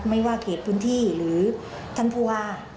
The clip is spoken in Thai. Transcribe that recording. ไม่ว่าเขตพื้นที่หรือท่านผู้ว่า